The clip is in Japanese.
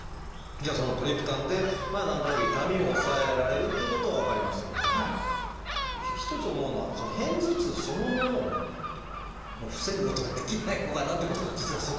じゃあそのトリプタンで何となく痛みを抑えられるっていうことは分かりましたけれども一つ思うのは片頭痛そのものを防ぐことはできないのかなってことなんですが。